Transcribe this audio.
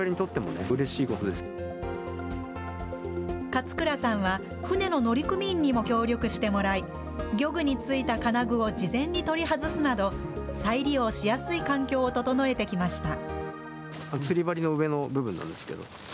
勝倉さんは、船の乗組員にも協力してもらい、漁具についた金具を事前に取り外すなど、再利用しやすい環境を整えてきました。